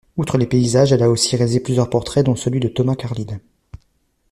Outre les paysages, elle a aussi réalisé plusieurs portraits, dont celui de Thomas Carlyle.